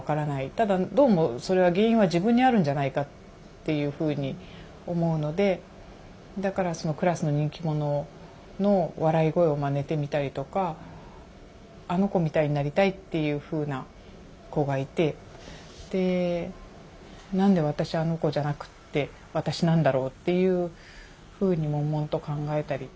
ただどうもそれは原因は自分にあるんじゃないかっていうふうに思うのでだからクラスの人気者の笑い声をまねてみたりとかあの子みたいになりたいっていうふうな子がいてで何で私あの子じゃなくって私なんだろうっていうふうにもんもんと考えたり。